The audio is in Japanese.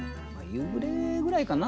夕暮れぐらいかな？